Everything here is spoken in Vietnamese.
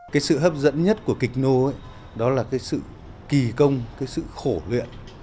cái sự hấp dẫn nhất của kịch nô đó là cái sự kỳ công cái sự khổ luyện